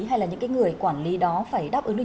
hay là những cái người quản lý đó phải đáp ứng